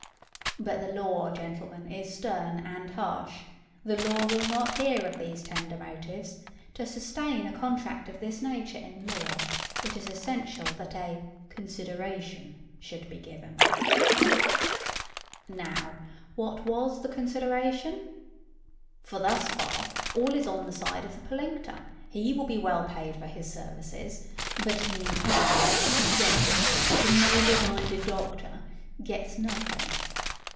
But the law, gentlemen, is stern and harsh: the law will not hear of these tender motives: to sustain a contract of this nature in law, it is essential that a 'consideration' should be given. Now what was the consideration? For thus far all is on the side of the pollinctor: he will be well paid for his services; but, meantime, the generous, the noble minded doctor gets nothing.